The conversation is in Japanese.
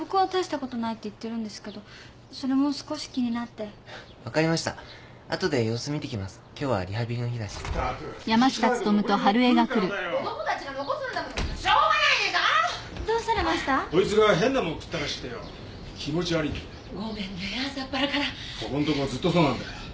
ここんとこずっとそうなんだよ。